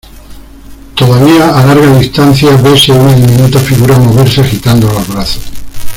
todavía a larga distancia vese una diminuta figura moverse agitando los brazos